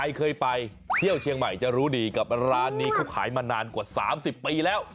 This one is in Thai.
ใครเคยไปเที่ยวเชียงใหม่จะรู้ดีกับร้านนี้เขาขายมานานกว่า๓๐ปีแล้ว